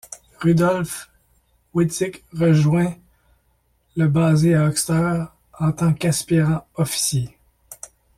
Rudolf Witzig rejoint le basé à Höxter, le en tant qu'aspirant officier.